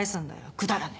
くだらねえ。